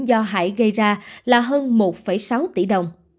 do hải gây ra là hơn một sáu tỷ đồng